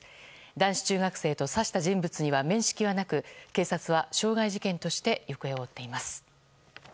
男子中学生と刺した人物には面識はなく警察は傷害事件として行方を追っています。